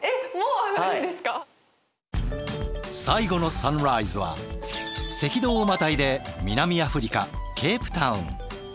最後のサンライズは赤道をまたいで南アフリカケープタウン。